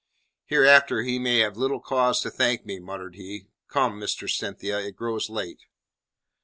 "Hereafter he may have little cause to thank me," muttered he. "Come, Mistress Cynthia, it grows late."